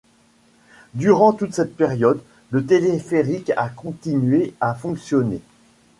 Durant toute cette période, le téléphérique a continué à fonctionner.